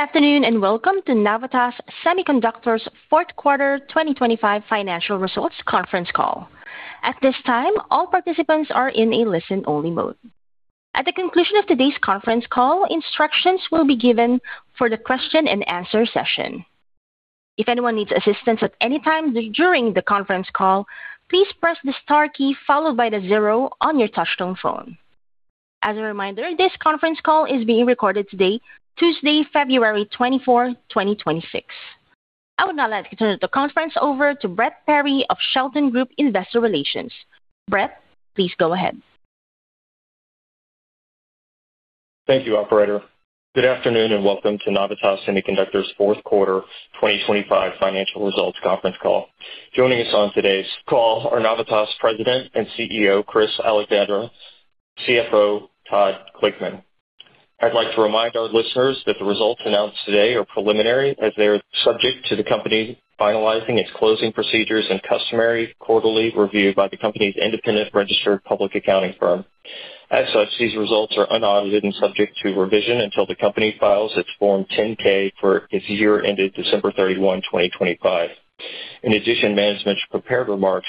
Good afternoon, and welcome to Navitas Semiconductor's fourth quarter 2025 financial results conference call. At this time, all participants are in a listen-only mode. At the conclusion of today's conference call, instructions will be given for the question and answer session. If anyone needs assistance at any time during the conference call, please press the star key followed by the zero on your touchtone phone. As a reminder, this conference call is being recorded today, Tuesday, February 24, 2026. I would now like to turn the conference over to Brett Perry of Shelton Group Investor Relations. Brett, please go ahead. Thank you, operator. Good afternoon. Welcome to Navitas Semiconductor's Fourth Quarter 2025 Financial Results Conference Call. Joining us on today's call are Navitas President and CEO, Chris Allexandre, CFO, Todd Glickman. I'd like to remind our listeners that the results announced today are preliminary, as they are subject to the company finalizing its closing procedures and customary quarterly review by the company's independent registered public accounting firm. As such, these results are unaudited and subject to revision until the company files its Form 10-K for its year ended December 31, 2025. In addition, management's prepared remarks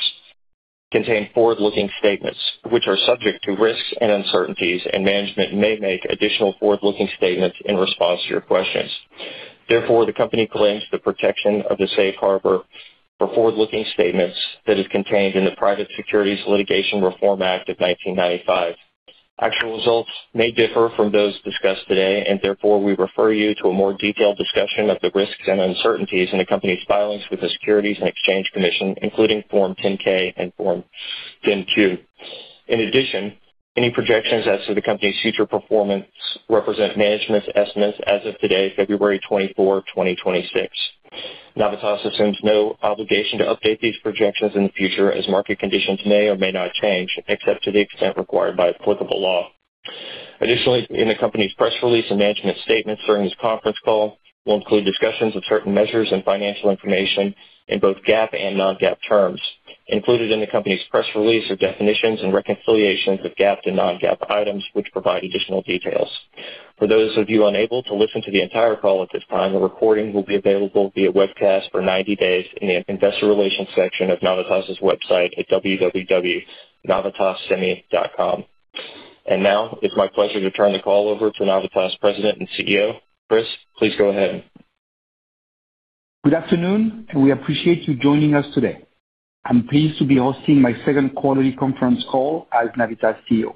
contain forward-looking statements, which are subject to risks and uncertainties, and management may make additional forward-looking statements in response to your questions. The company claims the protection of the safe harbor for forward-looking statements that is contained in the Private Securities Litigation Reform Act of 1995. Actual results may differ from those discussed today, and therefore, we refer you to a more detailed discussion of the risks and uncertainties in the company's filings with the Securities and Exchange Commission, including Form 10-K and Form 10-Q. In addition, any projections as to the company's future performance represent management's estimates as of today, February 24, 2026. Navitas assumes no obligation to update these projections in the future, as market conditions may or may not change, except to the extent required by applicable law. Additionally, in the company's press release and management statements during this conference call will include discussions of certain measures and financial information in both GAAP and non-GAAP terms. Included in the company's press release are definitions and reconciliations of GAAP to non-GAAP items, which provide additional details. For those of you unable to listen to the entire call at this time, a recording will be available via webcast for 90 days in the investor relations section of Navitas website at www.navitassemi.com. Now it's my pleasure to turn the call over to Navitas President and CEO. Chris, please go ahead. Good afternoon, we appreciate you joining us today. I'm pleased to be hosting my second quarterly conference call as Navitas CEO.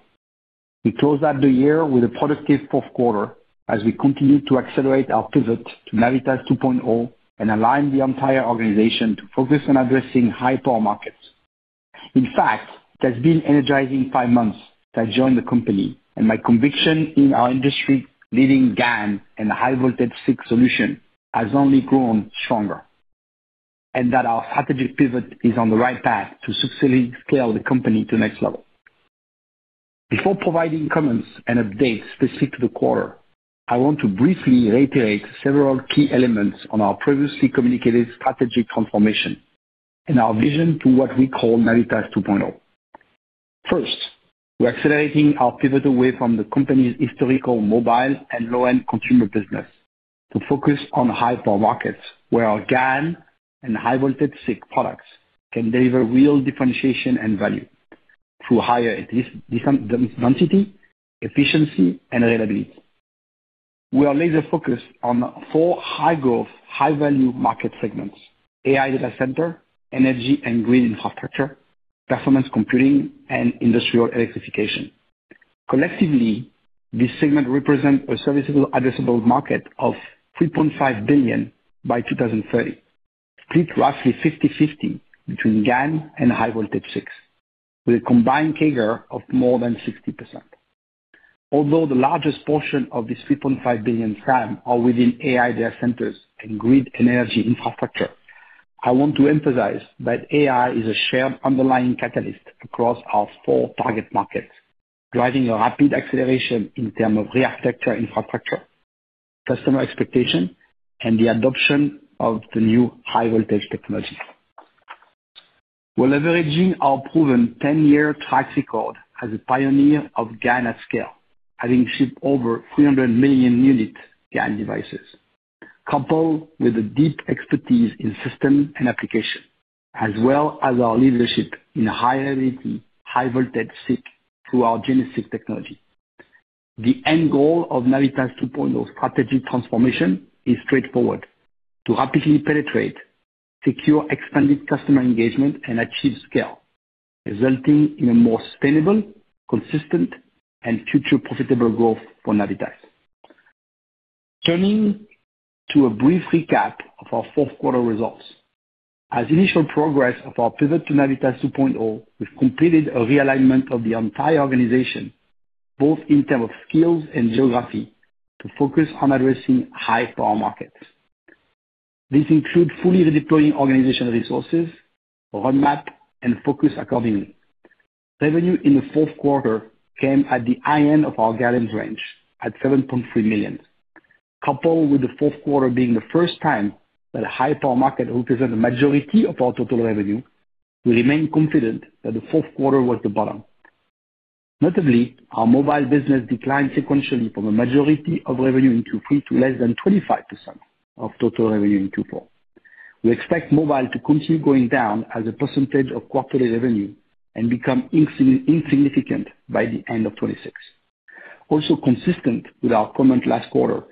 We closed out the year with a productive fourth quarter as we continued to accelerate our pivot to Navitas 2.0 and align the entire organization to focus on addressing high-power markets. In fact, it has been energizing five months that I joined the company, and my conviction in our industry-leading GaN and high-voltage SiC solution has only grown stronger, and that our strategic pivot is on the right path to successfully scale the company to the next level. Before providing comments and updates specific to the quarter, I want to briefly reiterate several key elements on our previously communicated strategic transformation and our vision to what we call Navitas 2.0. First, we're accelerating our pivot away from the company's historical, mobile, and low-end consumer business to focus on high-power markets, where our GaN and high-voltage SiC products can deliver real differentiation and value through higher density, efficiency, and reliability. We are laser-focused on four high-growth, high-value market segments: AI data center, energy and grid infrastructure, performance computing, and industrial electrification. Collectively, these segments represent a serviceable addressable market of $3.5 billion by 2030, split roughly 50/50 between GaN and high-voltage SiC, with a combined CAGR of more than 60%. Although the largest portion of this $3.5 billion TAM are within AI data centers and grid energy infrastructure, I want to emphasize that AI is a shared underlying catalyst across our four target markets, driving a rapid acceleration in terms of re-architecture infrastructure, customer expectation, and the adoption of the new high-voltage technology. We're leveraging our proven 10-year track record as a pioneer of GaN at scale, having shipped over 300 million unit GaN devices, coupled with the deep expertise in system and application, as well as our leadership in high-energy, high-voltage SiC through our GeneSiC technology. The end goal of Navitas 2.0 strategy transformation is straightforward: to rapidly penetrate, secure expanded customer engagement, and achieve scale, resulting in a more sustainable, consistent, and future profitable growth for Navitas. Turning to a brief recap of our fourth quarter results. As initial progress of our pivot to Navitas 2.0, we've completed a realignment of the entire organization, both in term of skills and geography, to focus on addressing high-power markets. This include fully redeploying organizational resources, roadmap, and focus accordingly. Revenue in the fourth quarter came at the high end of our guidance range at $7.3 million, coupled with the fourth quarter being the first time that a high-power market represent the majority of our total revenue, we remain confident that the fourth quarter was the bottom. Notably, our mobile business declined sequentially from a majority of revenue in Q3 to less than 25% of total revenue in Q4. We expect mobile to continue going down as a percentage of quarterly revenue and become insignificant by the end of 2026. Consistent with our comment last quarter,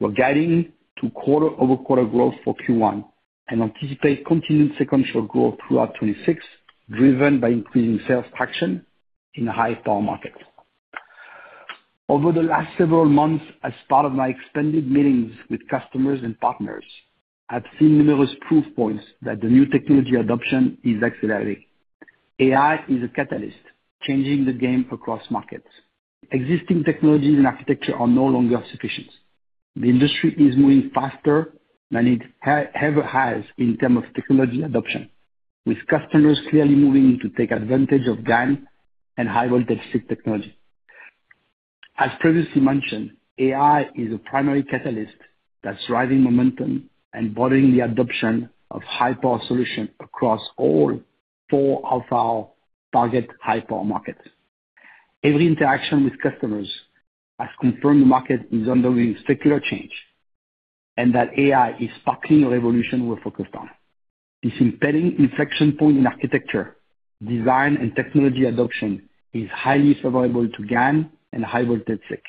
we're guiding to quarter-over-quarter growth for Q1 and anticipate continued sequential growth throughout 2026, driven by increasing sales traction in the high-power market. Over the last several months, as part of my expanded meetings with customers and partners, I've seen numerous proof points that the new technology adoption is accelerating. AI is a catalyst, changing the game across markets. Existing technologies and architecture are no longer sufficient. The industry is moving faster than it ever has in terms of technology adoption, with customers clearly moving to take advantage of GaN and high voltage SiC technology. As previously mentioned, AI is a primary catalyst that's driving momentum and broadening the adoption of high-power solution across all four of our target high-power markets. Every interaction with customers has confirmed the market is undergoing secular change, and that AI is sparking a revolution we're focused on. This impending inflection point in architecture, design, and technology adoption is highly favorable to GaN and high-voltage SiC,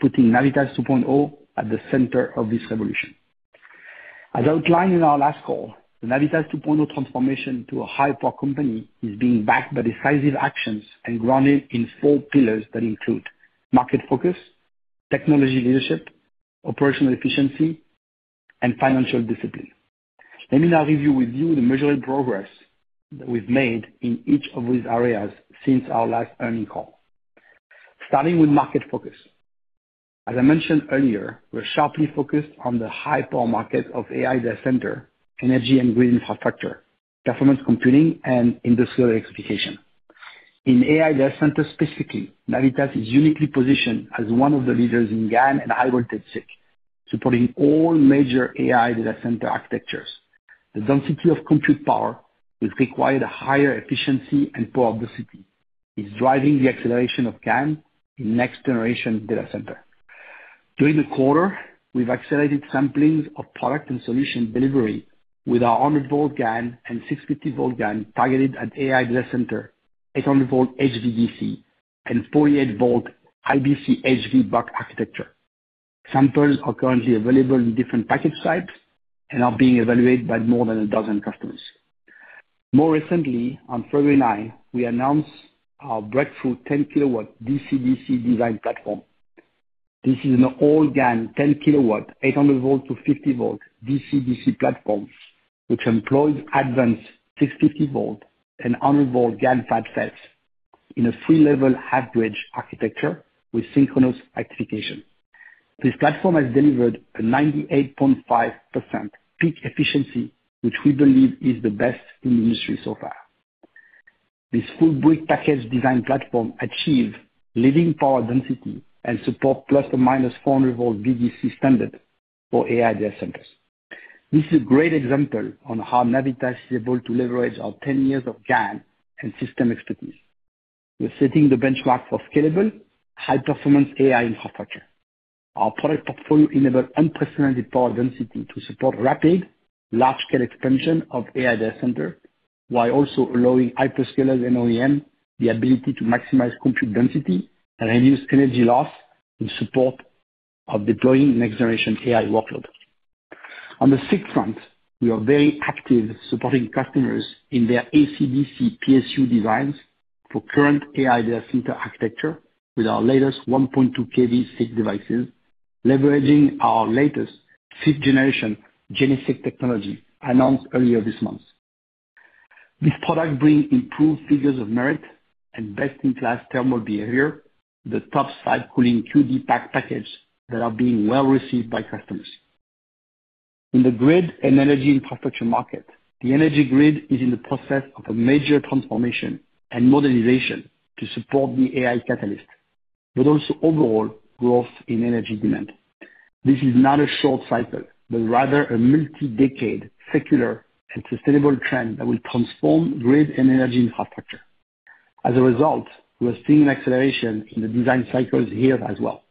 putting Navitas 2.0 at the center of this revolution. As outlined in our last call, the Navitas 2.0 transformation to a high-power company is being backed by decisive actions and grounded in four pillars that include market focus, technology leadership, operational efficiency, and financial discipline. Let me now review with you the measurable progress that we've made in each of these areas since our last earning call. Starting with market focus. As I mentioned earlier, we're sharply focused on the high-power market of AI data center, energy and grid infrastructure, performance computing, and industrial electrification. In AI data center specifically, Navitas is uniquely positioned as one of the leaders in GaN and high voltage SiC, supporting all major AI data center architectures. The density of compute power, which require a higher efficiency and power density, is driving the acceleration of GaN in next generation data center. During the quarter, we've accelerated samplings of product and solution delivery with our 100 V GaN and 650 V GaN targeted at AI data center, 800 V HVDC, and 48 V IBC HV buck architecture. Samples are currently available in different package types and are being evaluated by more than a dozen customers. More recently, on February 9, we announced our breakthrough 10 kW DC-DC design platform. This is an all GaN, 10 kW, 800 V-50 V DC-DC platform, which employs advanced 650 V and 100 V GaN fab cells in a three-level half-bridge architecture with synchronous activation. This platform has delivered a 98.5% peak efficiency, which we believe is the best in the industry so far. This full-brick package design platform achieve leading power density and support ±400 V VDC standard for AI data centers. This is a great example on how Navitas is able to leverage our 10 years of GaN and system expertise. We're setting the benchmark for scalable, high-performance AI infrastructure. Our product portfolio enables unprecedented power density to support rapid, large-scale expansion of AI data center, while also allowing hyperscalers and OEM the ability to maximize compute density and reduce energy loss in support of deploying next generation AI workload. On the SiC front, we are very active supporting customers in their AC-DC PSU designs for current AI data center architecture with our latest 1.2 kV SiC devices, leveraging our latest sixth generation GeneSiC technology announced earlier this month. This product bring improved figures of merit and best-in-class thermal behavior, the top side cooling D2PAK package that are being well received by customers. In the grid and energy infrastructure market, the energy grid is in the process of a major transformation and modernization to support the AI catalyst, but also overall growth in energy demand. This is not a short cycle, but rather a multi-decade, secular and sustainable trend that will transform grid and energy infrastructure. As a result, we are seeing an acceleration in the design cycles here as well.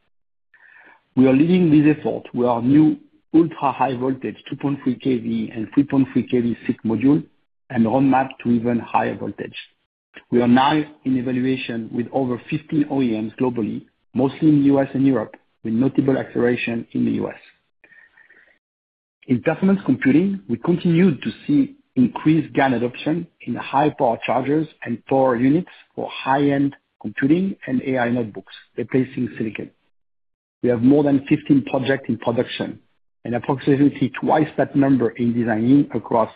We are leading this effort with our new ultra-high voltage 2.3 kV and 3.3 kV SiC module, and on map to even higher voltage. We are now in evaluation with over 50 OEMs globally, mostly in the U.S. and Europe, with notable acceleration in the U.S. In performance computing, we continue to see increased GaN adoption in high power chargers and power units for high-end computing and AI notebooks, replacing silicon. We have more than 15 projects in production and approximately twice that number in designing across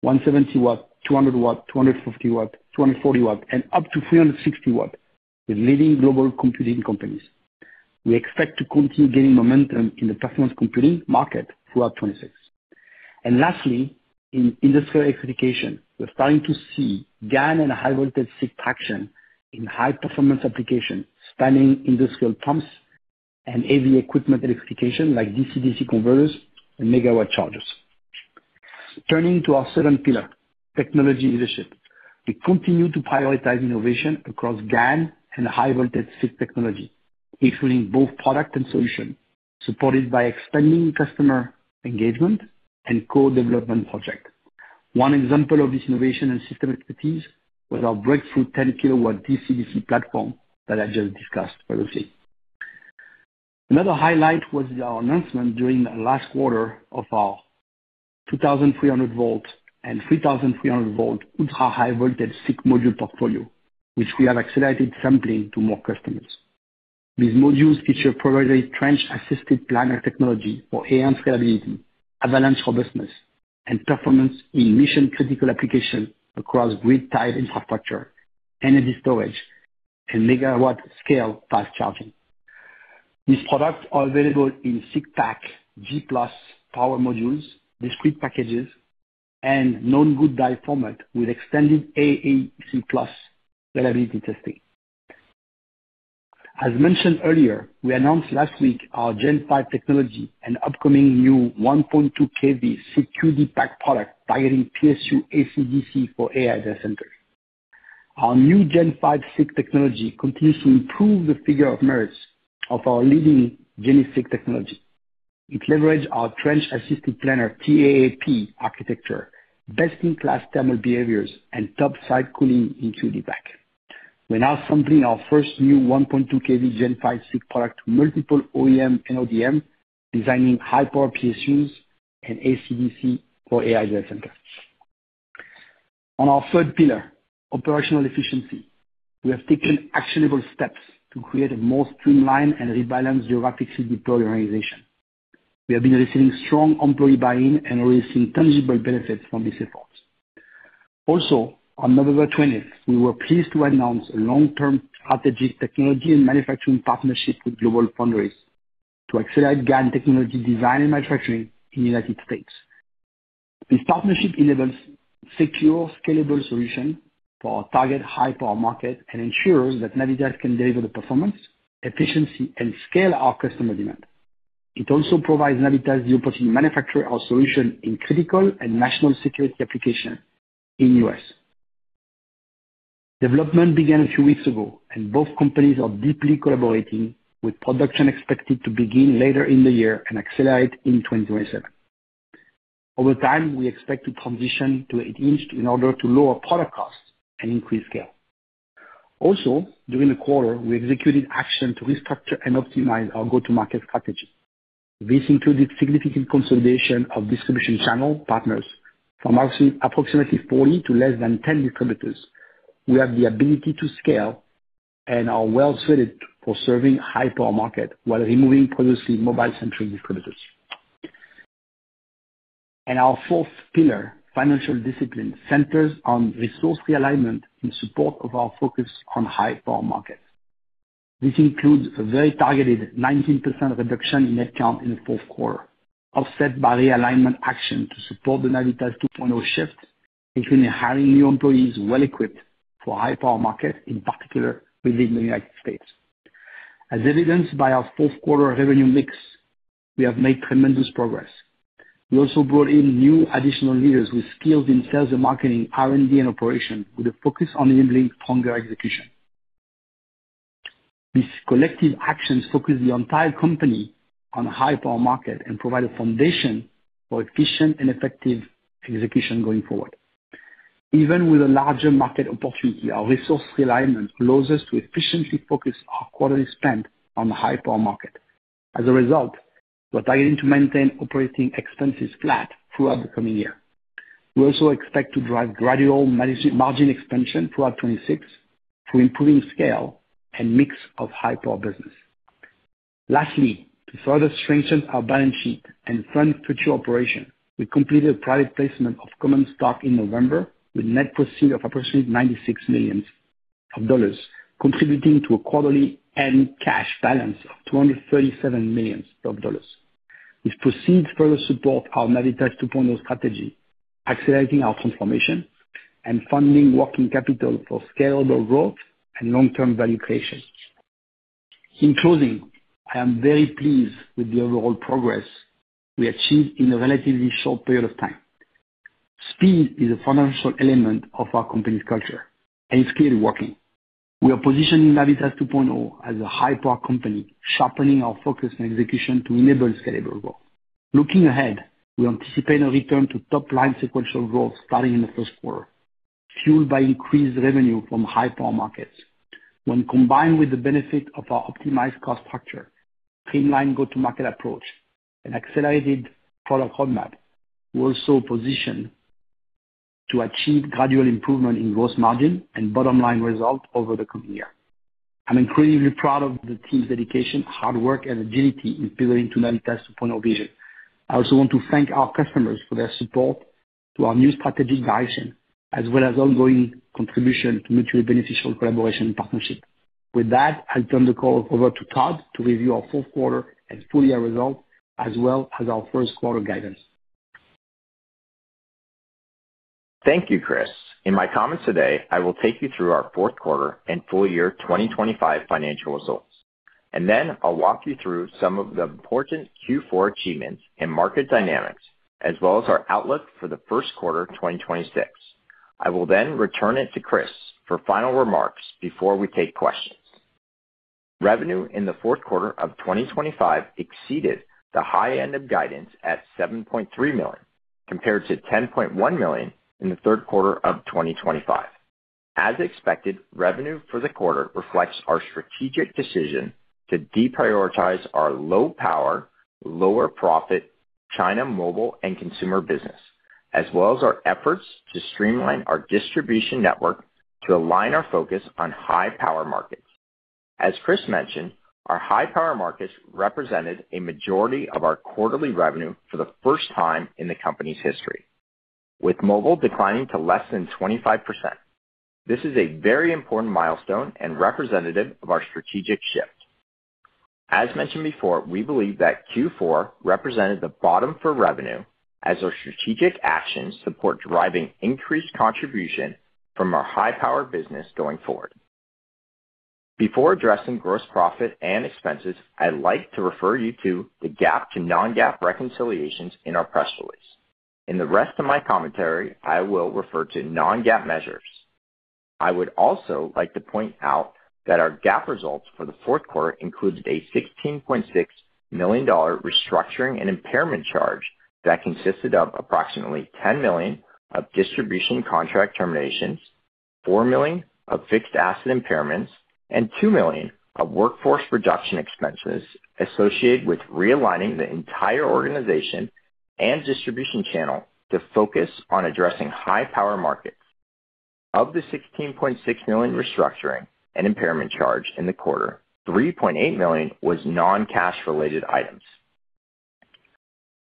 170 W, 200 W, 250 W, 240 W, and up to 360 W with leading global computing companies. We expect to continue gaining momentum in the performance computing market throughout 2026. Lastly, in industrial electrification, we're starting to see GaN and high voltage SiC traction in high-performance applications, spanning industrial pumps and AV equipment electrification like DC-DC converters and megawatt chargers. Turning to our second pillar, technology leadership. We continue to prioritize innovation across GaN and high voltage SiC technology, including both product and solution, supported by expanding customer engagement and co-development project. One example of this innovation and system expertise was our breakthrough 10 kW DC-DC platform that I just discussed previously. Another highlight was our announcement during the last quarter of our 2,300 V and 3,300 V ultra high voltage SiC module portfolio, which we have accelerated sampling to more customers. These modules feature proprietary trench-assisted planar technology for AM scalability, avalanche robustness, and performance in mission-critical applications across grid-tied infrastructure, energy storage, and megawatt scale fast charging. These products are available in SiCPAK, G+ power modules, discrete packages, and Known Good Die format with extended AEC-Plus reliability testing. As mentioned earlier, we announced last week our Gen five technology and upcoming new 1.2 kV SiC D2PAK product targeting PSU AC-DC for AI data centers. Our new Gen five SiC technology continues to improve the figure of merits of our leading Gen six technology. It leverages our trench-assisted planar, TAAP architecture, best-in-class thermal behaviors, and top side cooling in D2PAK. We're now sampling our first new 1.2 kV Gen five SiC product to multiple OEM and ODM, designing high power PSUs and AC-DC for AI data centers. On our third pillar, operational efficiency, we have taken actionable steps to create a more streamlined and rebalanced geographic SiC deploy organization. We have been receiving strong employee buy-in and releasing tangible benefits from these efforts. On November 20th, we were pleased to announce a long-term strategic technology and manufacturing partnership with GlobalFoundries to accelerate GaN technology design and manufacturing in the United States. This partnership enables secure, scalable solution for our target high power market and ensures that Navitas can deliver the performance, efficiency, and scale our customer demand. It also provides Navitas the opportunity to manufacture our solution in critical and national security applications in U.S. Development began a few weeks ago, and both companies are deeply collaborating, with production expected to begin later in the year and accelerate in 2027. Over time, we expect to transition to 8-inch in order to lower product costs and increase scale. During the quarter, we executed action to restructure and optimize our go-to-market strategy. This included significant consolidation of distribution channel partners from approximately 40 to less than 10 distributors. We have the ability to scale and are well suited for serving high-power market while removing previously mobile-centric distributors. Our fourth pillar, financial discipline, centers on resource realignment in support of our focus on high-power markets. This includes a very targeted 19% reduction in headcount in the fourth quarter, offset by realignment action to support the Navitas 2.0 shift, including hiring new employees well-equipped for high-power market, in particular within the United States. As evidenced by our fourth quarter revenue mix, we have made tremendous progress. We also brought in new additional leaders with skills in sales and marketing, R&D, and operation, with a focus on enabling stronger execution. These collective actions focus the entire company on high power market and provide a foundation for efficient and effective execution going forward. Even with a larger market opportunity, our resource realignment allows us to efficiently focus our quarterly spend on the high power market. As a result, we're targeting to maintain operating expenses flat throughout the coming year. We also expect to drive gradual margin expansion throughout 2026 through improving scale and mix of high power business. Lastly, to further strengthen our balance sheet and fund future operation, we completed a private placement of common stock in November with net proceed of approximately $96 million, contributing to a quarterly end cash balance of $237 million. This proceeds further support our Navitas 2.0 strategy, accelerating our transformation and funding working capital for scalable growth and long-term value creation. In closing, I am very pleased with the overall progress we achieved in a relatively short period of time. Speed is a fundamental element of our company's culture and is clearly working. We are positioning Navitas 2.0 as a high-power company, sharpening our focus and execution to enable scalable growth. Looking ahead, we anticipate a return to top-line sequential growth starting in the first quarter, fueled by increased revenue from high-power markets. When combined with the benefit of our optimized cost structure, streamlined go-to-market approach, and accelerated product roadmap, we're also positioned to achieve gradual improvement in gross margin and bottom-line results over the coming year. I'm incredibly proud of the team's dedication, hard work, and agility in delivering to Navitas 2.0 vision. I also want to thank our customers for their support to our new strategic direction, as well as ongoing contribution to mutually beneficial collaboration partnership. I'll turn the call over to Todd to review our fourth quarter and full year results, as well as our first quarter guidance. Thank you, Chris. In my comments today, I will take you through our fourth quarter and full year 2025 financial results, and then I'll walk you through some of the important Q4 achievements and market dynamics, as well as our outlook for the first quarter 2026. I will then return it to Chris for final remarks before we take questions. Revenue in the fourth quarter of 2025 exceeded the high end of guidance at $7.3 million, compared to $10.1 million in the third quarter of 2025. As expected, revenue for the quarter reflects our strategic decision to deprioritize our low power, lower profit, China mobile and consumer business, as well as our efforts to streamline our distribution network to align our focus on high-power markets. As Chris mentioned, our high-power markets represented a majority of our quarterly revenue for the first time in the company's history, with mobile declining to less than 25%. This is a very important milestone and representative of our strategic shift. As mentioned before, we believe that Q4 represented the bottom for revenue as our strategic actions support driving increased contribution from our high-power business going forward. Before addressing gross profit and expenses, I'd like to refer you to the GAAP to non-GAAP reconciliations in our press release. In the rest of my commentary, I will refer to non-GAAP measures. I would also like to point out that our GAAP results for the fourth quarter includes a $16.6 million restructuring and impairment charge that consisted of approximately $10 million of distribution contract terminations, $4 million of fixed asset impairments, and $2 million of workforce reduction expenses associated with realigning the entire organization and distribution channel to focus on addressing high-power markets. Of the $16.6 million restructuring and impairment charge in the quarter, $3.8 million was non-cash related items.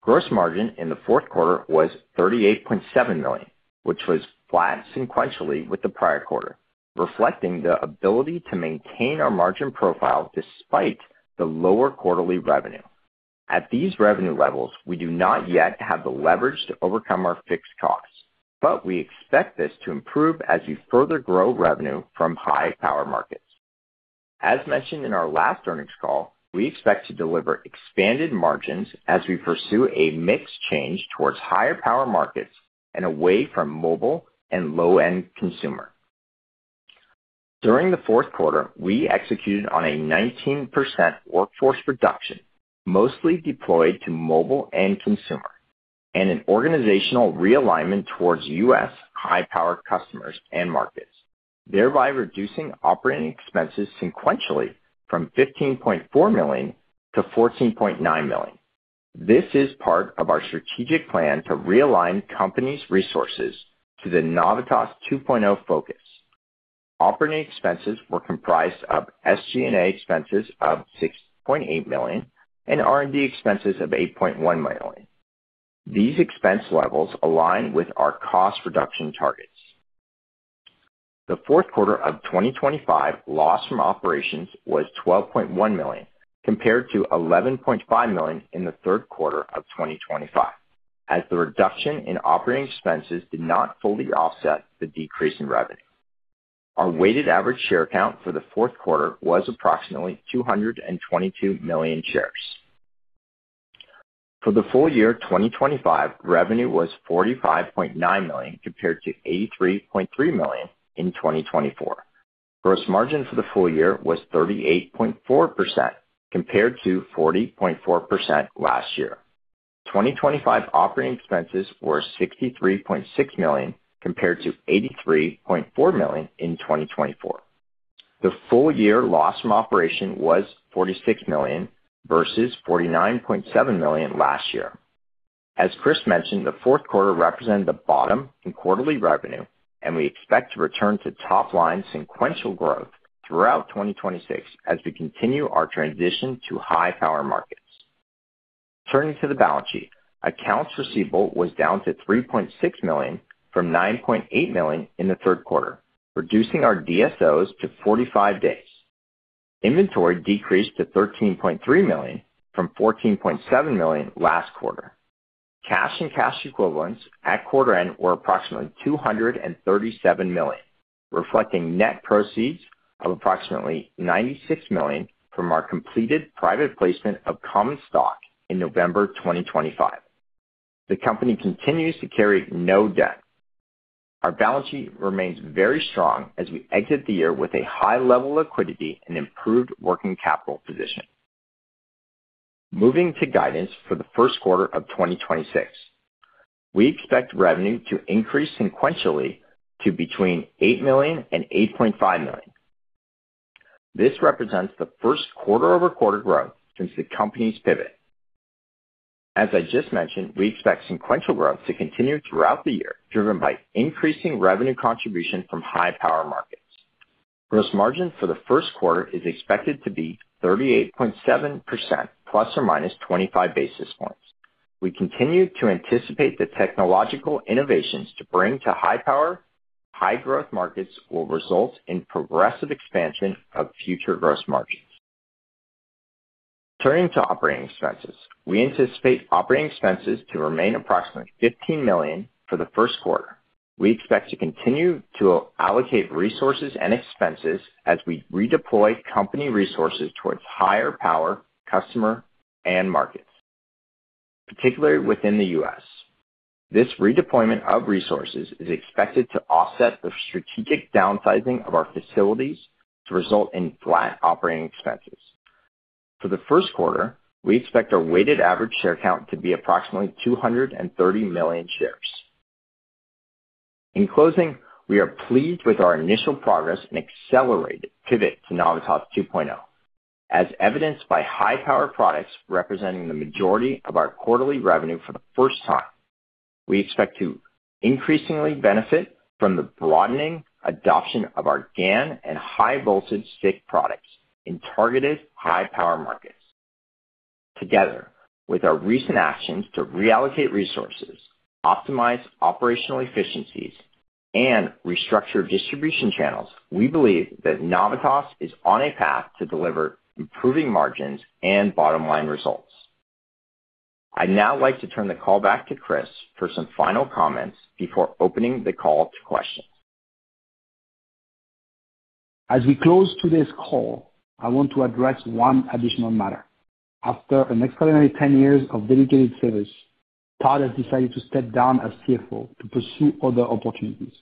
Gross margin in the fourth quarter was $38.7 million, which was flat sequentially with the prior quarter, reflecting the ability to maintain our margin profile despite the lower quarterly revenue. At these revenue levels, we do not yet have the leverage to overcome our fixed costs. We expect this to improve as we further grow revenue from high-power markets. As mentioned in our last earnings call, we expect to deliver expanded margins as we pursue a mix change towards higher-power markets and away from mobile and low-end consumer. During the fourth quarter, we executed on a 19% workforce reduction, mostly deployed to mobile and consumer, and an organizational realignment towards U.S. high-power customers and markets, thereby reducing operating expenses sequentially from $15.4 million-$14.9 million. This is part of our strategic plan to realign company's resources to the Navitas 2.0 focus. Operating expenses were comprised of SG&A expenses of $6.8 million and R&D expenses of $8.1 million. These expense levels align with our cost reduction targets. The 4th quarter of 2025 loss from operations was $12.1 million, compared to $11.5 million in the third quarter of 2025, as the reduction in operating expenses did not fully offset the decrease in revenue. Our weighted average share count for the fourth quarter was approximately 222 million shares. For the full year 2025, revenue was $45.9 million, compared to $83.3 million in 2024. Gross margin for the full year was 38.4%, compared to 40.4% last year. 2025 operating expenses were $63.6 million, compared to $83.4 million in 2024. The full year loss from operation was $46 million versus $49.7 million last year. As Chris mentioned, the fourth quarter represented the bottom in quarterly revenue. We expect to return to top line sequential growth throughout 2026 as we continue our transition to high-power markets. Turning to the balance sheet, accounts receivable was down to $3.6 million from $9.8 million in the third quarter, reducing our DSOs to 45 days. Inventory decreased to $13.3 million from $14.7 million last quarter. Cash and cash equivalents at quarter end were approximately $237 million, reflecting net proceeds of approximately $96 million from our completed private placement of common stock in November 2025. The company continues to carry no debt. Our balance sheet remains very strong as we exit the year with a high level of liquidity and improved working capital position. Moving to guidance for the first quarter of 2026. We expect revenue to increase sequentially to between $8 million and $8.5 million. This represents the first quarter-over-quarter growth since the company's pivot. As I just mentioned, we expect sequential growth to continue throughout the year, driven by increasing revenue contribution from high-power markets. Gross margin for the first quarter is expected to be 38.7% ±25 basis points. We continue to anticipate the technological innovations to bring to high power, high growth markets will result in progressive expansion of future gross margin. Turning to operating expenses. We anticipate operating expenses to remain approximately $15 million for the first quarter. We expect to continue to allocate resources and expenses as we redeploy company resources towards higher power, customer, and markets, particularly within the U.S. This redeployment of resources is expected to offset the strategic downsizing of our facilities to result in flat operating expenses. For the first quarter, we expect our weighted average share count to be approximately 230 million shares. In closing, we are pleased with our initial progress and accelerated pivot to Navitas 2.0, as evidenced by high-power products representing the majority of our quarterly revenue for the first time. We expect to increasingly benefit from the broadening adoption of our GaN and high voltage SiC products in targeted high-power markets. Together, with our recent actions to reallocate resources, optimize operational efficiencies, and restructure distribution channels, we believe that Navitas is on a path to deliver improving margins and bottom-line results. I'd now like to turn the call back to Chris for some final comments before opening the call to questions. As we close today's call, I want to address one additional matter. After an extraordinary 10 years of dedicated service, Todd has decided to step down as CFO to pursue other opportunities.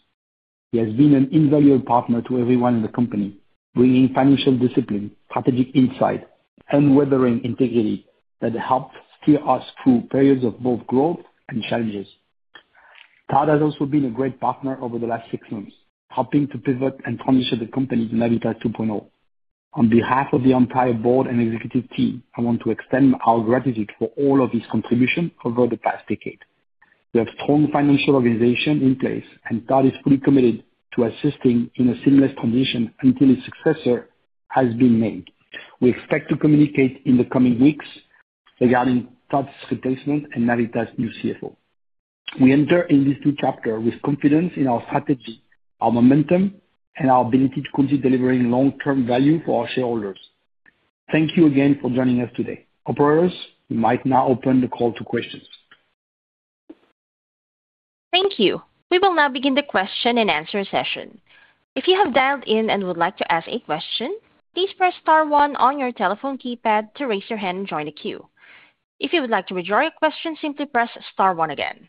He has been an invaluable partner to everyone in the company, bringing financial discipline, strategic insight, and weathering integrity that helped steer us through periods of both growth and challenges. Todd has also been a great partner over the last six months, helping to pivot and transition the company to Navitas 2.0. On behalf of the entire board and executive team, I want to extend our gratitude for all of his contribution over the past decade. We have strong financial organization in place, and Todd is fully committed to assisting in a seamless transition until his successor has been made. We expect to communicate in the coming weeks regarding Todd's replacement and Navitas' new CFO. We enter in this new chapter with confidence in our strategy, our momentum, and our ability to continue delivering long-term value for our shareholders. Thank you again for joining us today. Operators, you might now open the call to questions. Thank you. We will now begin the question and answer session. If you have dialed in and would like to ask a question, please press star one on your telephone keypad to raise your hand and join the queue. If you would like to withdraw your question, simply press star one again.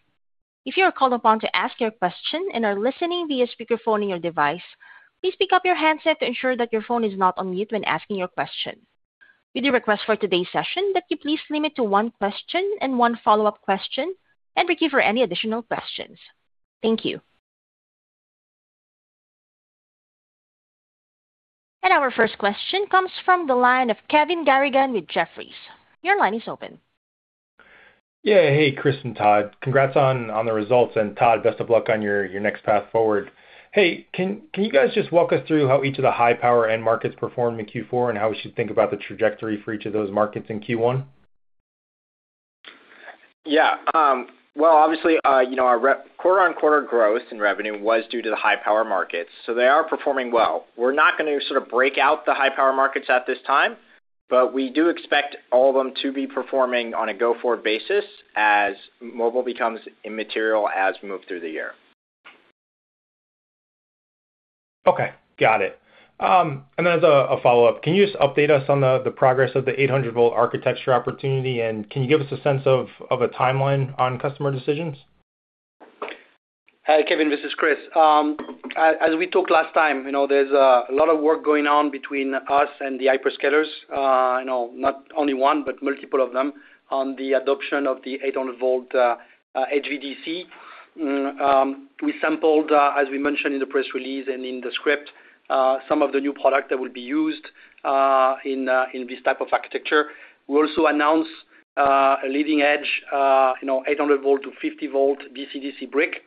If you are called upon to ask your question and are listening via speakerphone in your device, please pick up your handset to ensure that your phone is not on mute when asking your question. We do request for today's session that you please limit to one question and one follow-up question and queue for any additional questions. Thank you. Our first question comes from the line of Kevin Garrigan with Jefferies. Your line is open. Yeah. Hey, Chris and Todd. Congrats on the results. Todd, best of luck on your next path forward. Hey, can you guys just walk us through how each of the high-power end markets performed in Q4 and how we should think about the trajectory for each of those markets in Q1? Yeah. Well, obviously, you know, our quarter on quarter growth in revenue was due to the high-power markets, so they are performing well. We're not gonna sort of break out the high-power markets at this time, but we do expect all of them to be performing on a go-forward basis as mobile becomes immaterial, as move through the year. Okay, got it. As a follow-up, can you just update us on the progress of the 800 V architecture opportunity, and can you give us a sense of a timeline on customer decisions? Hi, Kevin, this is Chris. As we talked last time, you know, there's a lot of work going on between us and the hyperscalers. you know, not only one, but multiple of them on the adoption of the 800 V HVDC. We sampled, as we mentioned in the press release and in the script, some of the new product that will be used in this type of architecture. We also announced a leading edge, you know, 800 V-50 V DC-DC brick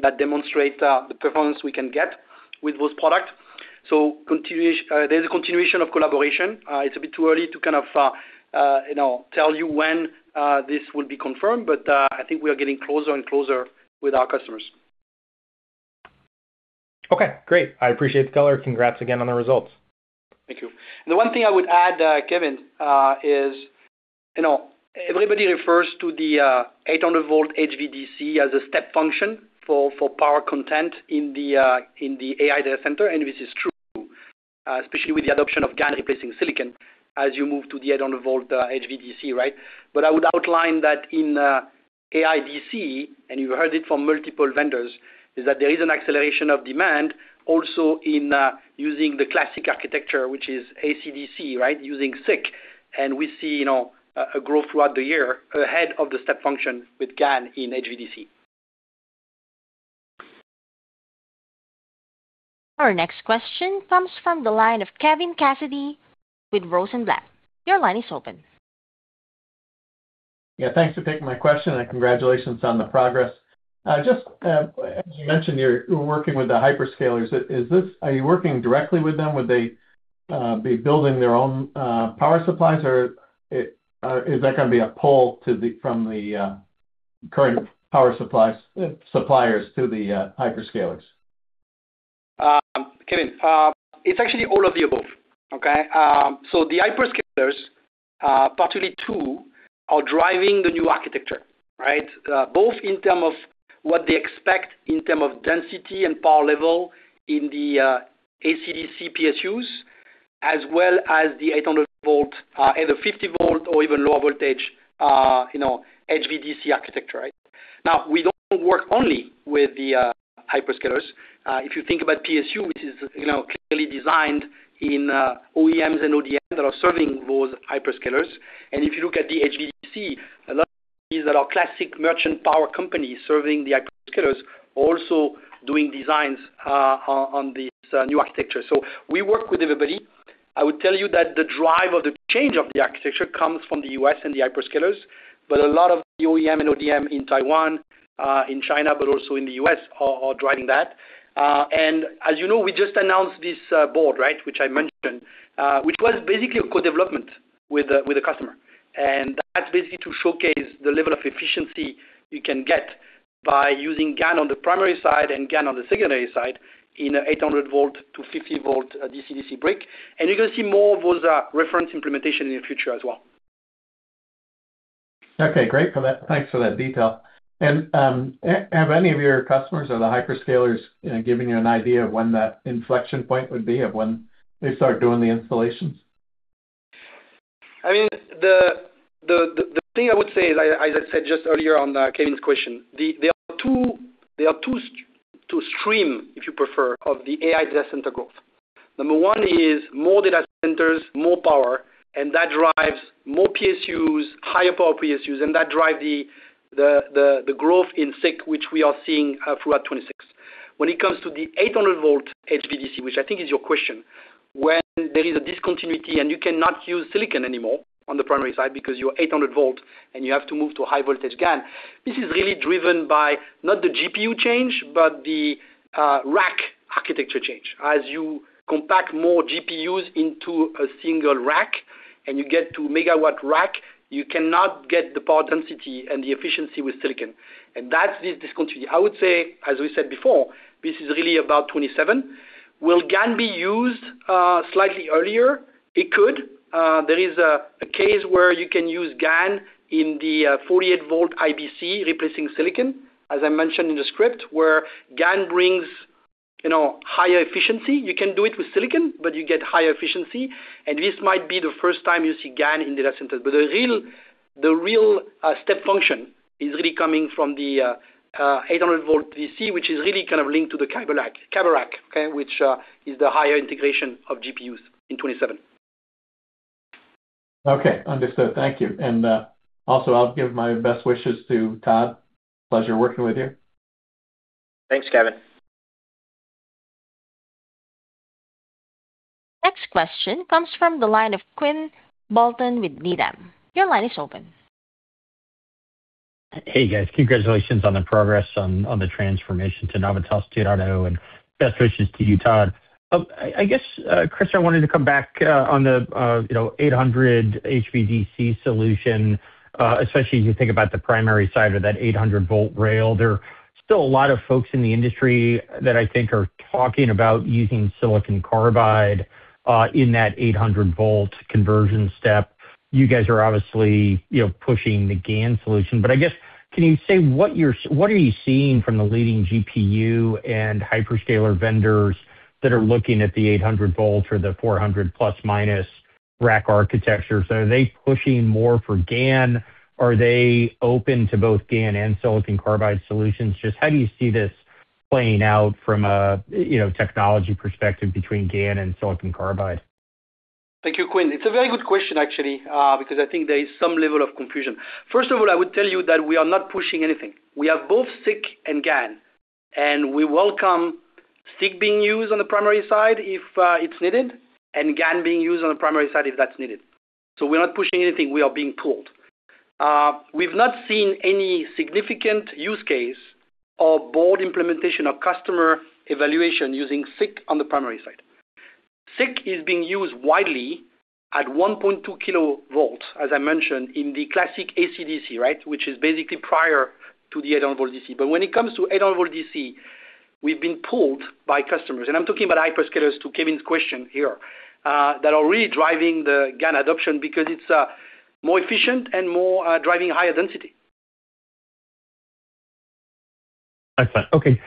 that demonstrate the performance we can get with those product. there's a continuation of collaboration. it's a bit too early to kind of, you know, tell you when this will be confirmed, but I think we are getting closer and closer with our customers. Okay, great. I appreciate the color. Congrats again on the results. Thank you. The one thing I would add, Kevin, is, you know, everybody refers to the 800 V HVDC as a step function for power content in the AI data center, and this is true, especially with the adoption of GaN replacing silicon as you move to the 800 V HVDC, right? I would outline that in AI DC, and you heard it from multiple vendors, is that there is an acceleration of demand also in using the classic architecture, which is AC-DC, right? Using SiC, we see, you know, a growth throughout the year ahead of the step function with GaN in HVDC. Our next question comes from the line of Kevin Cassidy with Rosenblatt. Your line is open. Thanks for taking my question, and congratulations on the progress. Just, as you mentioned, you're working with the hyperscalers. Are you working directly with them? Would they be building their own power supplies, or it is that gonna be a pull from the current power supplies suppliers to the hyperscalers? Kevin, it's actually all of the above, okay? The hyperscalers partially two are driving the new architecture, right? Both in terms of what they expect, in terms of density and power level in the AC-DC PSUs, as well as the 800 V, either 50 V or even lower voltage, you know, HVDC architecture, right? We don't work only with the hyperscalers. If you think about PSU, which is, you know, clearly designed in OEMs and ODMs that are serving those hyperscalers, and if you look at the HVDC, a lot of these are our classic merchant power companies serving the hyperscalers, also doing designs on this new architecture. We work with everybody. I would tell you that the drive or the change of the architecture comes from the U.S. and the hyperscalers, but a lot of the OEM and ODM in Taiwan, in China, but also in the U.S., are driving that. As you know, we just announced this board, right, which I mentioned, which was basically a co-development with a customer. That's basically to showcase the level of efficiency you can get by using GaN on the primary side and GaN on the secondary side in a 800 V-50 V` DC-DC brick. You're gonna see more of those reference implementation in the future as well. Okay, great for that. Thanks for that detail. Have any of your customers or the hyperscalers, you know, given you an idea of when that inflection point would be, of when they start doing the installations? I mean, the thing I would say is, as I said just earlier on, Kevin's question, there are two stream, if you prefer, of the AI data center growth. Number one is more data centers, more power, and that drives more PSUs, higher power PSUs, and that drive the growth in SiC, which we are seeing throughout 2026. When it comes to the 800 V HVDC, which I think is your question, when there is a discontinuity and you cannot use silicon anymore on the primary side because you are 800 V and you have to move to a high voltage GaN, this is really driven by not the GPU change, but the rack architecture change. You compact more GPUs into a single rack and you get to megawatt rack, you cannot get the power density and the efficiency with silicon, and that's the discontinuity. I would say, as we said before, this is really about 27. Will GaN be used slightly earlier? It could. There is a case where you can use GaN in the 48 V IBC, replacing silicon, as I mentioned in the script, where GaN brings, you know, higher efficiency. You can do it with silicon, but you get higher efficiency, this might be the first time you see GaN in data centers. The real step function is really coming from the 800 V DC, which is really kind of linked to the combo rack, okay, which is the higher integration of GPUs in 27. Okay, understood. Thank you. Also, I'll give my best wishes to Todd. Pleasure working with you. Thanks, Kevin. Next question comes from the line of Quinn Bolton with Needham. Your line is open. Hey, guys. Congratulations on the progress on the transformation to Navitas 2.0, and best wishes to you, Todd. I guess, Chris, I wanted to come back on the, you know, 800 V HVDC solution, especially as you think about the primary side of that 800 V rail. There are still a lot of folks in the industry that I think are talking about using Silicon Carbide in that 800 V conversion step. You guys are obviously, you know, pushing the GaN solution, but I guess, can you say what are you seeing from the leading GPU and hyperscaler vendors that are looking at the 800 V or the 400± V rack architecture? Are they pushing more for GaN? Are they open to both GaN and Silicon Carbide solutions? Just how do you see this playing out from a, you know, technology perspective between GaN and silicon carbide? Thank you, Quinn. It's a very good question, actually, because I think there is some level of confusion. First of all, I would tell you that we are not pushing anything. We have both SiC and GaN, and we welcome SiC being used on the primary side if it's needed, and GaN being used on the primary side if that's needed. We're not pushing anything. We are being pulled. We've not seen any significant use case or board implementation or customer evaluation using SiC on the primary side. SiC is being used widely at 1.2 kV, as I mentioned, in the classic AC-DC, right, which is basically prior to the 800 V DC. When it comes to 800 V DC, we've been pulled by customers, and I'm talking about hyperscalers, to Kevin's question here, that are really driving the GaN adoption because it's more efficient and more driving higher density. That's fine. Okay.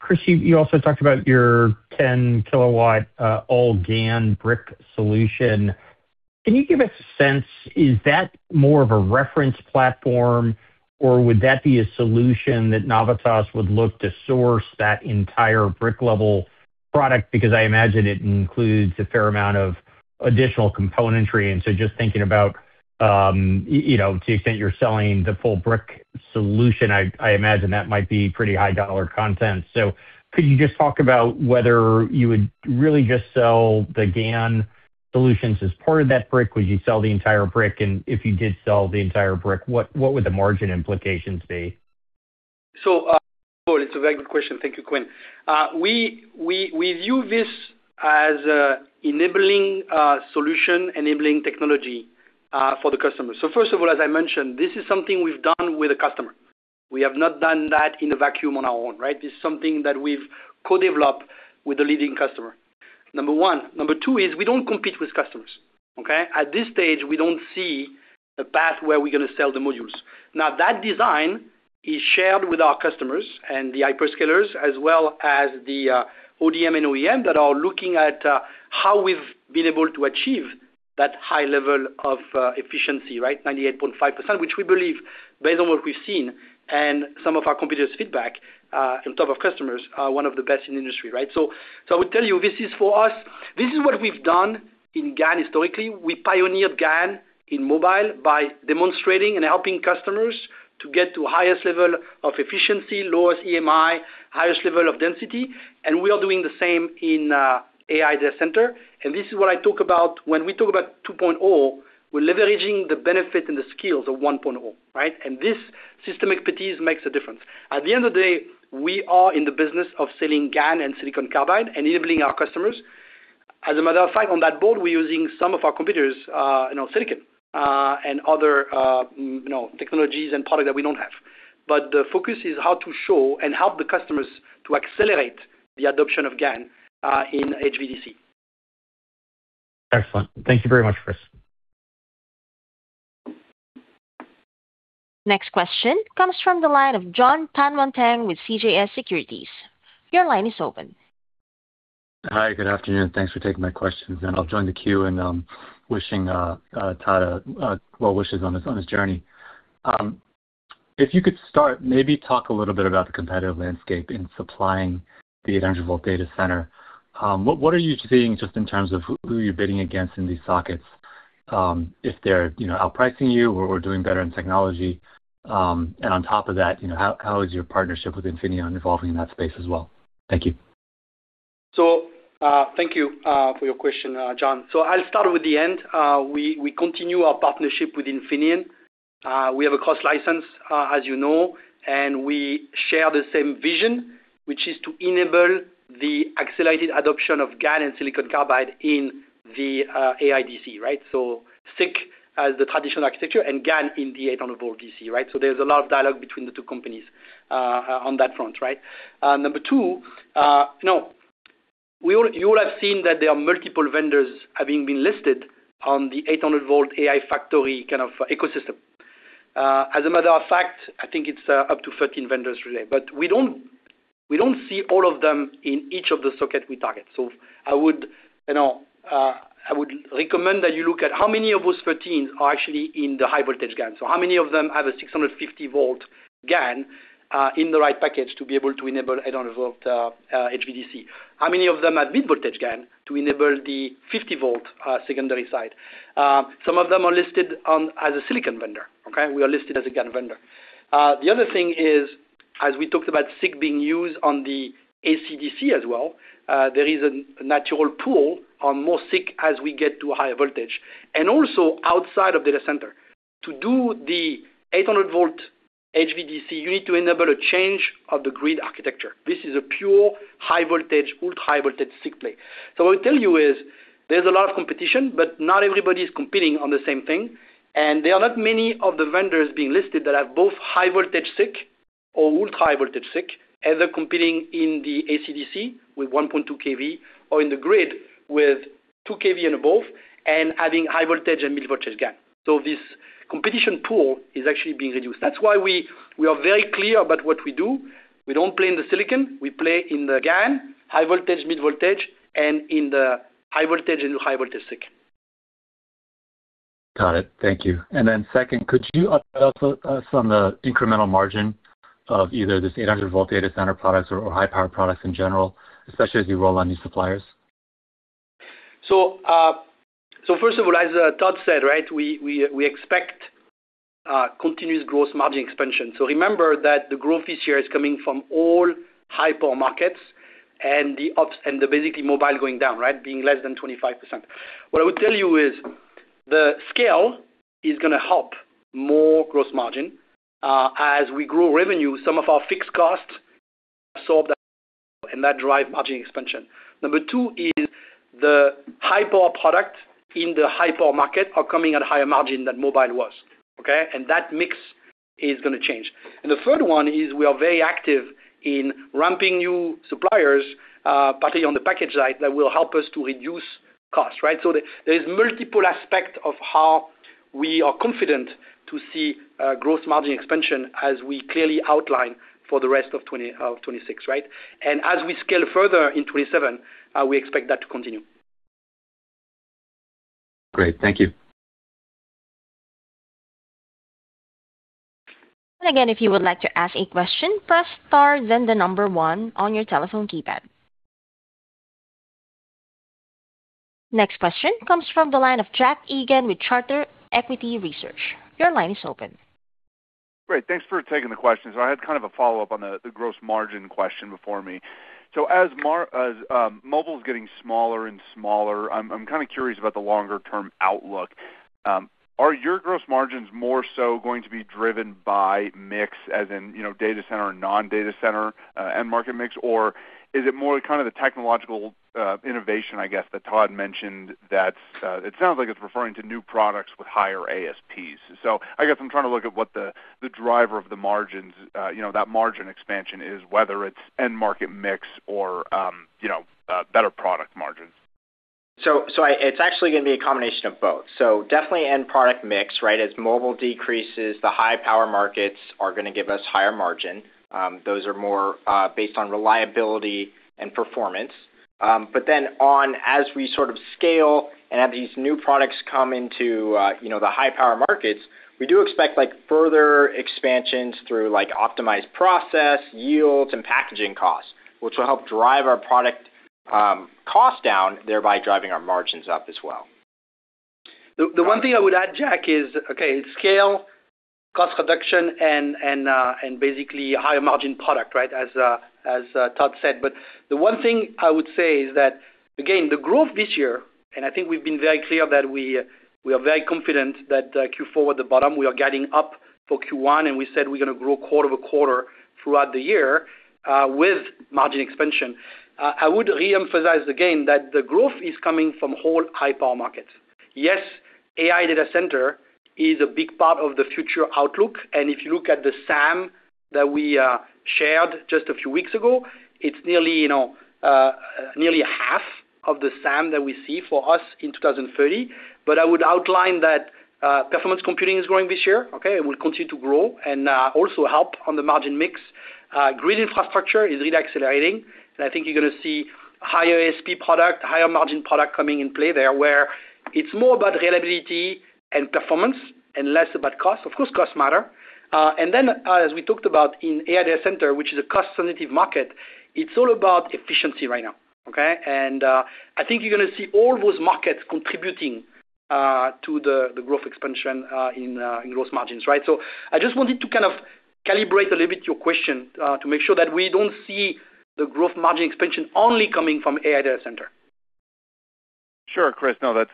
Chris, you also talked about your 10-kW all-GaN brick solution. Can you give a sense, is that more of a reference platform, or would that be a solution that Navitas would look to source that entire brick-level product? Because I imagine it includes a fair amount of additional componentry, and so just thinking about, you know, to the extent you're selling the full-brick solution, I imagine that might be pretty high dollar content. Could you just talk about whether you would really just sell the GaN solutions as part of that brick? Would you sell the entire brick? If you did sell the entire brick, what would the margin implications be? Sure. It's a very good question. Thank you, Quinn. We view this as an enabling solution, enabling technology for the customer. First of all, as I mentioned, this is something we've done with a customer. We have not done that in a vacuum on our own, right? This is something that we've co-developed with a leading customer, number one. Number two is we don't compete with customers, okay? At this stage, we don't see a path where we're going to sell the modules. That design is shared with our customers and the hyperscalers, as well as the ODM and OEM that are looking at how we've been able to achieve that high level of efficiency, right? 98.5%, which we believe, based on what we've seen and some of our competitors' feedback, on top of customers, are one of the best in the industry, right? I would tell you, this is for us, this is what we've done in GaN historically. We pioneered GaN in mobile by demonstrating and helping customers to get to highest level of efficiency, lowest EMI, highest level of density, and we are doing the same in AI data center. This is what I talk about when we talk about 2.0, we're leveraging the benefit and the skills of 1.0, right? This system expertise makes a difference. At the end of the day, we are in the business of selling GaN and silicon carbide and enabling our customers. As a matter of fact, on that board, we're using some of our competitors, you know, silicon, and other, you know, technologies and products that we don't have. The focus is how to show and help the customers to accelerate the adoption of GaN in HVDC. Excellent. Thank you very much, Chris. Next question comes from the line of Jon Tanwanteng with CJS Securities. Your line is open. Hi, good afternoon. Thanks for taking my questions, and I'll join the queue in wishing Todd well wishes on his journey. If you could start, maybe talk a little bit about the competitive landscape in supplying the 800 V data center. What, what are you seeing just in terms of who you're bidding against in these sockets, if they're, you know, outpricing you or doing better in technology? On top of that, you know, how is your partnership with Infineon evolving in that space as well? Thank you. Thank you for your question, Jon. I'll start with the end. We continue our partnership with Infineon. We have a cross license, as you know, and we share the same vision, which is to enable the accelerated adoption of GaN and silicon carbide in the AI DC, right? SiC as the traditional architecture and GaN in the 800 V DC, right? There's a lot of dialogue between the two companies on that front, right? Number two, you know, you will have seen that there are multiple vendors having been listed on the 800 V AI factory kind of ecosystem. As a matter of fact, I think it's up to 13 vendors today, but we don't see all of them in each of the sockets we target. I would, you know, I would recommend that you look at how many of those 13 are actually in the high voltage GaN. How many of them have a 650 V GaN in the right package to be able to enable 800 V HVDC? How many of them have mid-voltage GaN to enable the 50 V secondary side? Some of them are listed on as a silicon vendor, okay? We are listed as a GaN vendor. The other thing is, as we talked about SiC being used on the AC-DC as well, there is a natural pull on more SiC as we get to higher voltage and also outside of data center. To do the 800 V HVDC, you need to enable a change of the grid architecture. This is a pure high voltage, ultra-high voltage SiC play. What I'll tell you is there's a lot of competition, but not everybody is competing on the same thing, and there are not many of the vendors being listed that have both high voltage SiC or ultra-high voltage SiC, either competing in the AC-DC with 1.2 kV or in the grid with 2 kV and above, and adding high voltage and mid voltage GaN. This competition pool is actually being reduced. That's why we are very clear about what we do. We don't play in the silicon, we play in the GaN, high voltage, mid voltage, and in the high voltage and high voltage SiC. Got it. Thank you. Second, could you update us on the incremental margin of either this 800 V data center products or high-power products in general, especially as you roll on new suppliers? First of all, as Todd said, right, we expect continuous gross margin expansion. Remember that the growth this year is coming from all high-power markets and basically mobile going down, right, being less than 25%. What I would tell you is the scale is going to help more gross margin. As we grow revenue, some of our fixed costs absorb that, and that drive margin expansion. Number two is the high-power product in the high-power market are coming at a higher margin than mobile was, okay? That mix is going to change. The third one is we are very active in ramping new suppliers, particularly on the package side, that will help us to reduce cost, right? There is multiple aspect of how we are confident to see a gross margin expansion as we clearly outline for the rest of 2026, right? As we scale further in 2027, we expect that to continue. Great. Thank you. Again, if you would like to ask a question, press star, then one on your telephone keypad. Next question comes from the line of Jack Egan, with Charter Equity Research. Your line is open. Great. Thanks for taking the question. I had kind of a follow-up on the gross margin question before me. As mobile is getting smaller and smaller, I'm kind of curious about the longer-term outlook. Are your gross margins more so going to be driven by mix, as in, you know, data center and non-data center end market mix? Or is it more kind of the technological innovation, I guess, that Todd mentioned, that it sounds like it's referring to new products with higher ASPs. I guess I'm trying to look at what the driver of the margins, you know, that margin expansion is, whether it's end market mix or, you know, better product margins. I, it's actually going to be a combination of both. Definitely end product mix, right? As mobile decreases, the high power markets are going to give us higher margin. Those are more based on reliability and performance. On, as we sort of scale and have these new products come into, you know, the high power markets, we do expect, like, further expansions through, like, optimized process, yields, and packaging costs, which will help drive our product cost down, thereby driving our margins up as well. The one thing I would add, Jack, is, okay, scale, cost reduction, and basically higher margin product, right, as Todd said. The one thing I would say is that, again, the growth this year, and I think we've been very clear that we are very confident that Q4 was the bottom, we are getting up for Q1, and we said we're going to grow quarter-over-quarter throughout the year, with margin expansion. I would reemphasize again, that the growth is coming from whole high power markets. Yes, AI data center is a big part of the future outlook, and if you look at the SAM that we shared just a few weeks ago, it's nearly, you know, nearly a half of the SAM that we see for us in 2030. I would outline that performance computing is growing this year, okay, it will continue to grow and also help on the margin mix. Grid infrastructure is really accelerating, and I think you're going to see higher ASP product, higher margin product coming in play there, where it's more about reliability and performance and less about cost. Of course, cost matters. And then, as we talked about in AI data center, which is a cost-sensitive market, it's all about efficiency right now, okay? I think you're going to see all those markets contributing to the growth expansion in growth margins, right? I just wanted to kind of calibrate a little bit your question to make sure that we don't see the growth margin expansion only coming from AI data center. Sure, Chris. No, that's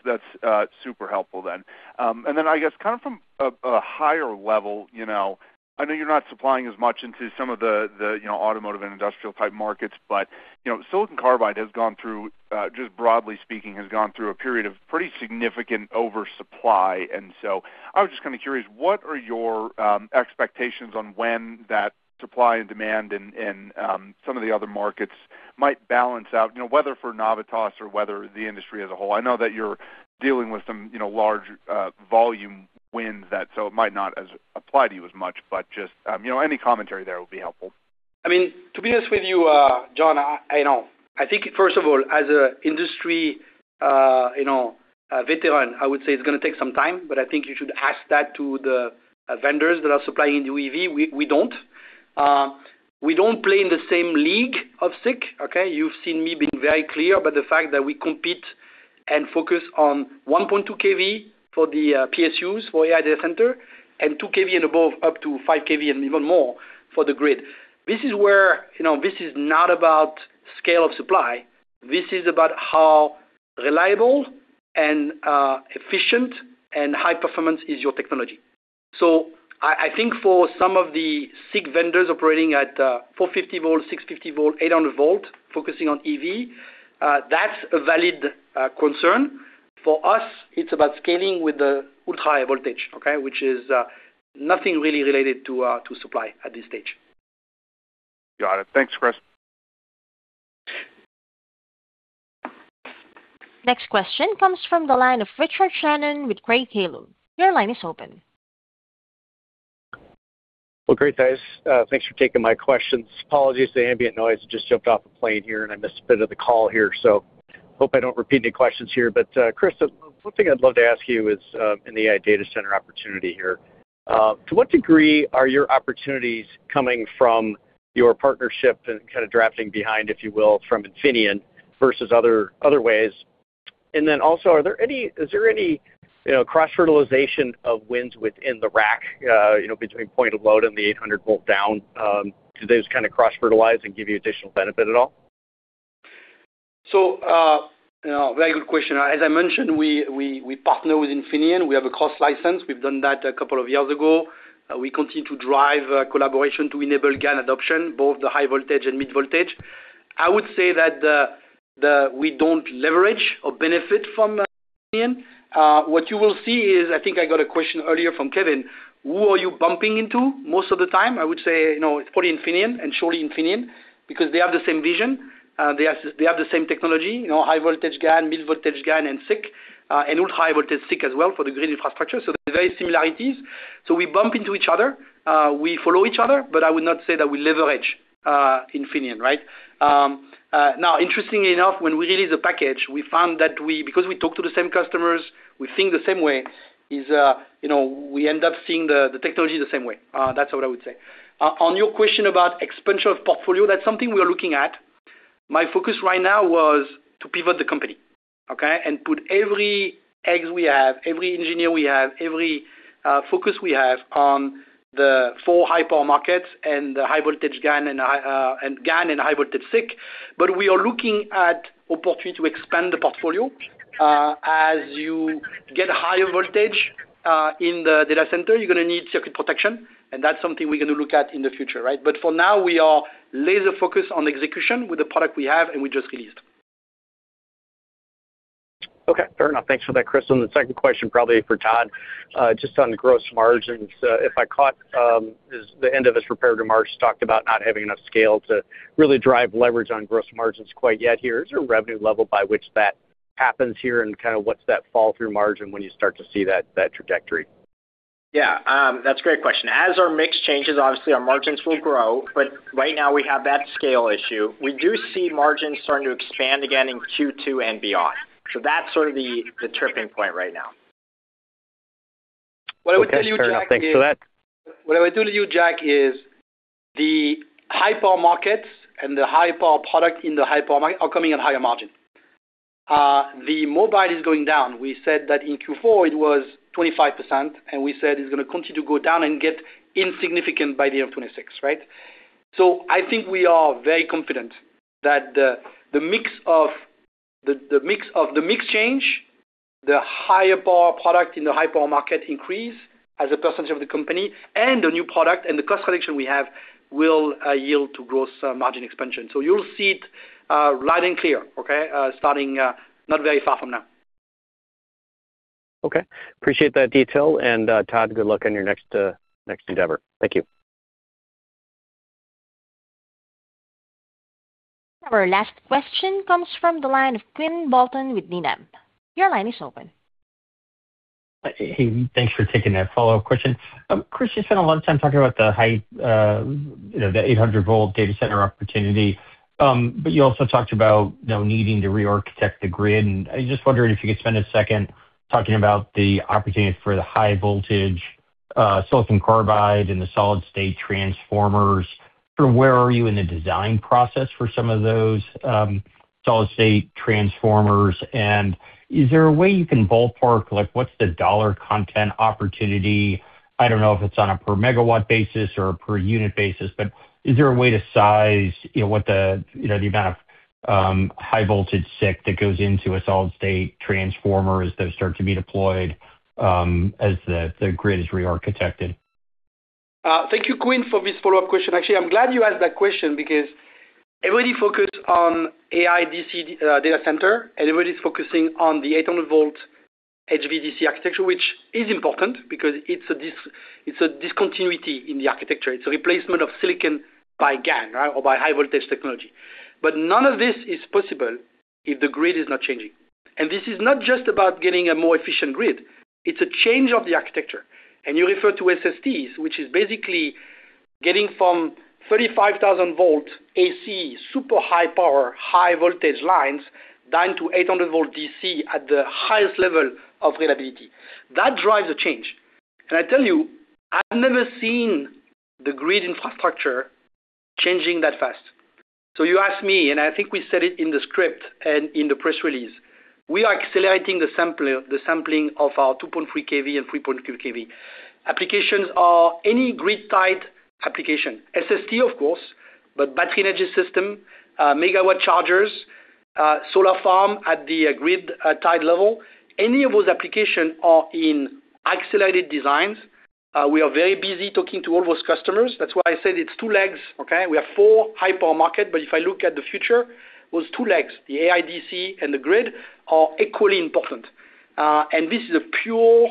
super helpful then. Then I guess kind of from a higher level, you know, I know you're not supplying as much into some of the, you know, automotive and industrial type markets, you know, silicon carbide has gone through, just broadly speaking, has gone through a period of pretty significant oversupply. So I was just kind of curious, what are your expectations on when that supply and demand and some of the other markets might balance out, you know, whether for Navitas or whether the industry as a whole? I know that you're dealing with some, you know, large volume wins that so it might not apply to you as much, but just, you know, any commentary there will be helpful. To be honest with you, Jon, I don't. I think, first of all, as a industry, you know, veteran, I would say it's going to take some time, but I think you should ask that to the vendors that are supplying the EV. We don't. We don't play in the same league of SiC, okay? You've seen me being very clear about the fact that we compete and focus on 1.2 kV for the PSUs, for AI data center, and 2 kV and above, up to 5 kV and even more for the grid. This is where, you know, this is not about scale of supply. This is about how reliable and efficient and high performance is your technology. I think for some of the SiC vendors operating at 450 V, 650 V, 800 V, focusing on EV, that's a valid concern. For us, it's about scaling with the ultrahigh voltage, okay, which is nothing really related to supply at this stage. Got it. Thanks, Chris. Next question comes from the line of Richard Shannon with Craig-Hallum. Your line is open. Great, guys. Thanks for taking my questions. Apologies to the ambient noise. I just jumped off a plane here, and I missed a bit of the call here, so hope I don't repeat any questions here. Chris, the one thing I'd love to ask you is, in the AI data center opportunity here, to what degree are your opportunities coming from your partnership and kind of drafting behind, if you will, from Infineon versus other ways? Also, is there any, you know, cross-fertilization of wins within the rack, you know, between point of load and the 800 V down, do those kind of cross-fertilize and give you additional benefit at all? you know, very good question. As I mentioned, we partner with Infineon. We have a cross license. We've done that a couple of years ago. We continue to drive collaboration to enable GaN adoption, both the high-voltage and mid-voltage. I would say that we don't leverage or benefit from Infineon. What you will see is, I think I got a question earlier from Kevin, who are you bumping into most of the time? I would say, you know, it's probably Infineon and surely Infineon, because they have the same vision, they have the same technology, you know, high-voltage GaN, mid-voltage GaN, and SiC, and ultra-high-voltage SiC as well for the grid infrastructure. There are very similarities. We bump into each other, we follow each other, but I would not say that we leverage Infineon, right? Interestingly enough, when we released the package, we found that because we talk to the same customers, we think the same way, is, you know, we end up seeing the technology the same way. That's what I would say. On your question about expansion of portfolio, that's something we are looking at. My focus right now was to pivot the company, okay? Put every eggs we have, every engineer we have, every focus we have on the four high power markets and the high voltage GaN and high and GaN and high voltage SiC. We are looking at opportunity to expand the portfolio. As you get higher voltage, in the data center, you're going to need circuit protection, and that's something we're going to look at in the future, right? For now, we are laser focused on execution with the product we have and we just released. Okay, fair enough. Thanks for that, Chris. The second question, probably for Todd, just on the gross margins. If I caught, is the end of this prepared remarks, talked about not having enough scale to really drive leverage on gross margins quite yet here. Is there a revenue level by which that happens here, and kind of what's that fall-through margin when you start to see that trajectory? Yeah, that's a great question. As our mix changes, obviously, our margins will grow, but right now we have that scale issue. We do see margins starting to expand again in Q2 and beyond. That's sort of the tipping point right now. Okay, perfect. Thanks for that. What I would tell you, Jack, is the high power markets and the high power product in the high power market are coming at higher margin. The mobile is going down. We said that in Q4 it was 25%, and we said it's gonna continue to go down and get insignificant by the end of 26, right? I think we are very confident that the mix of the mix change, the higher power product in the high power market increase as a percentage of the company, and the new product and the cost reduction we have will yield to gross margin expansion. You'll see it loud and clear, okay? Starting not very far from now. Okay, appreciate that detail. Todd, good luck on your next endeavor. Thank you. Our last question comes from the line of Quinn Bolton with Needham. Your line is open. Hey, thanks for taking that follow-up question. Chris, you spent a lot of time talking about the high, you know, the 800 V data center opportunity. You also talked about, you know, needing to rearchitect the grid. I just wondering if you could spend a second talking about the opportunity for the high voltage, silicon carbide and the solid-state transformers. Where are you in the design process for some of those, solid-state transformers? Is there a way you can ballpark, like, what's the dollar content opportunity? I don't know if it's on a per megawatt basis or a per unit basis, but is there a way to size, you know, what the, you know, the amount of, high voltage SiC that goes into a solid-state transformer as those start to be deployed, as the grid is rearchitected? Thank you, Quinn, for this follow-up question. Actually, I'm glad you asked that question because everybody focused on AI DC data center. Everybody's focusing on the 800 V HVDC architecture, which is important because it's a discontinuity in the architecture. It's a replacement of silicon by GaN, right, or by high voltage technology. None of this is possible if the grid is not changing. This is not just about getting a more efficient grid, it's a change of the architecture. You refer to SSTs, which is basically getting from 35,000 V AC, super high power, high voltage lines, down to 800 V DC at the highest level of reliability. That drives a change. I tell you, I've never seen the grid infrastructure changing that fast. You ask me, and I think we said it in the script and in the press release, we are accelerating the sampling of our 2.3 kV and 3.3 kV. Applications are any grid-tied application. SST, of course, but battery energy system, megawatt chargers, solar farm at the grid, tied level. Any of those applications are in accelerated designs. We are very busy talking to all those customers. That's why I said it's two legs, okay? We have four high power market, but if I look at the future, those two legs, the AI DC and the grid, are equally important. This is a pure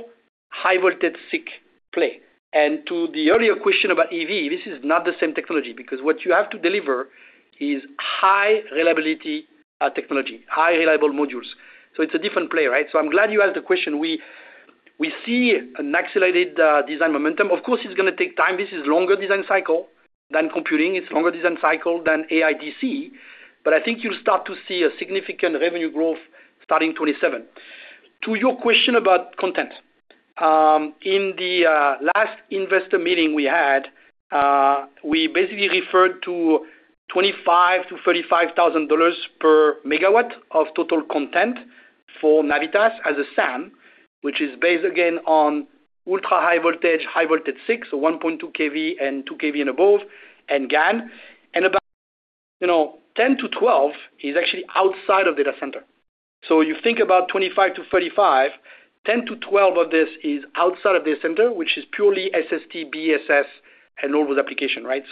high voltage SiC play. To the earlier question about EV, this is not the same technology, because what you have to deliver is high reliability technology, high reliable modules. It's a different play, right? I'm glad you asked the question. We see an accelerated design momentum. Of course, it's gonna take time. This is longer design cycle than computing. It's longer design cycle than AI DC, but I think you'll start to see a significant revenue growth starting 2027. To your question about content, in the last investor meeting we had, we basically referred to $25,000-$35,000 per megawatt of total content for Navitas as a SAM, which is based again on ultra high voltage, high voltage SiC, so 1.2 kV and 2 kV and above, and GaN. About, you know, $10,000-$12,000 is actually outside of data center. You think about $25,000-$35,000, $10,000-$12,000 of this is outside of data center, which is purely SST, BSS, and all those application, right?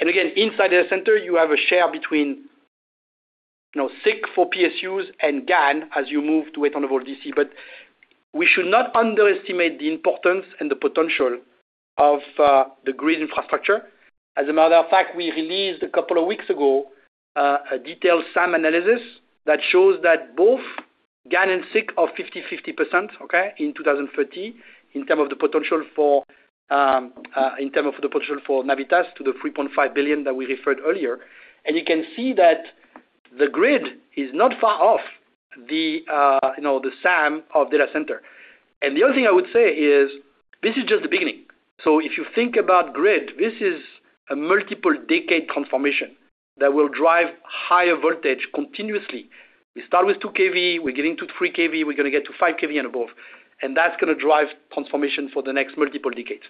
Again, inside data center, you have a share between, you know, SiC for PSUs and GaN as you move to 800 VDC. We should not underestimate the importance and the potential of the grid infrastructure. As a matter of fact, we released a couple of weeks ago, a detailed SAM analysis that shows that both GaN and SiC are 50%-50%, okay, in 2030, in term of the potential for, in term of the potential for Navitas to the $3.5 billion that we referred earlier. You can see that the grid is not far off the, you know, the SAM of data center. The other thing I would say is, this is just the beginning. If you think about grid, this is a multiple decade transformation that will drive higher voltage continuously. We start with 2 kV, we're getting to 3 kV, we're gonna get to 5 kV and above. That's gonna drive transformation for the next multiple decades.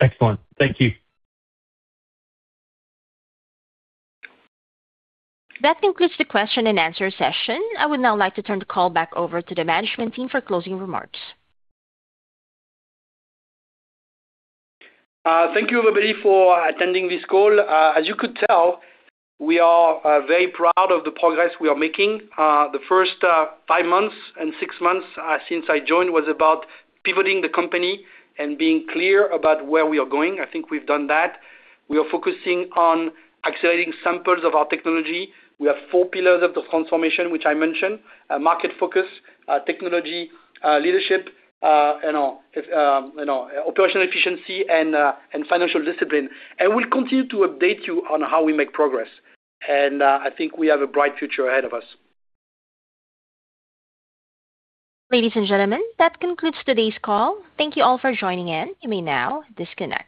Excellent. Thank you. That concludes the question and answer session. I would now like to turn the call back over to the management team for closing remarks. Thank you, everybody, for attending this call. As you could tell, we are very proud of the progress we are making. The first five months and six months since I joined, was about pivoting the company and being clear about where we are going. I think we've done that. We are focusing on accelerating samples of our technology. We have four pillars of the transformation, which I mentioned: market focus, technology, leadership, you know, operational efficiency and financial discipline. We'll continue to update you on how we make progress, and I think we have a bright future ahead of us. Ladies and gentlemen, that concludes today's call. Thank you all for joining in. You may now disconnect.